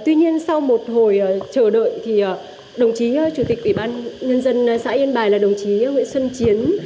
tuy nhiên sau một hồi chờ đợi thì đồng chí chủ tịch ủy ban nhân dân xã yên bài là đồng chí nguyễn xuân chiến